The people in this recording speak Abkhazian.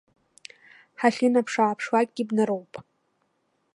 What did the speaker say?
Ҳахьынаԥшы-ааԥшлакгьы бнароуп.